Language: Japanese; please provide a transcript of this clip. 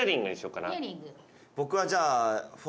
僕はじゃあ。